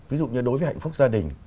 ví dụ như đối với hạnh phúc gia đình